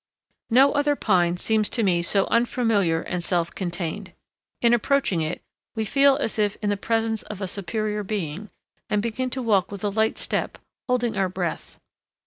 No other pine seems to me so unfamiliar and self contained. In approaching it, we feel as if in the presence of a superior being, and begin to walk with a light step, holding our breath.